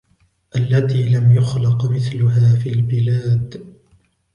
التي لم يخلق مثلها في البلاد